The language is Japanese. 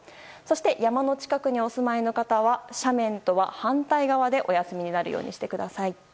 山の近くにお住まいの方は斜面とは反対側でお休みになるようにしてください。